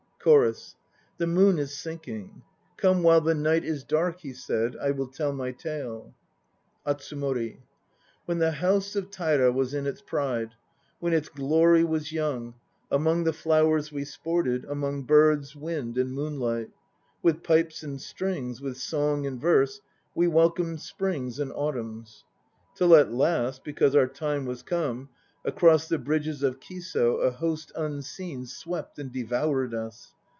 CHORUS. *The moon is sinking. Come while the night is dark," he said, "I will tell my tale." ATSUMORI. When the house of Taira was in its pride, When its glory was young, Among the flowers we sported, Among birds, wind and moonlight; With pipes and strings, with song and verse We welcomed Springs and Autumns. Till at last, because our time was come, Across the bridges of Kiso a host unseen Swept and devoured us.